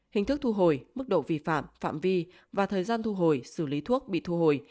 hình thức thu hồi mức độ vi phạm phạm vi và thời gian thu hồi xử lý thuốc bị thu hồi